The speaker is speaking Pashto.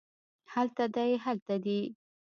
هلته دی هلته دي